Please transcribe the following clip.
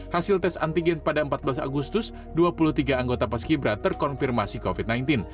hasil tes antigen pada empat belas agustus dua puluh tiga anggota paskibra terkonfirmasi covid sembilan belas